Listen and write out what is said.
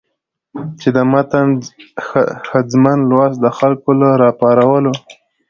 چې د متن ښځمن لوست د خلکو له راپارولو